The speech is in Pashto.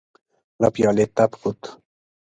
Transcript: له پيالې تپ خوت.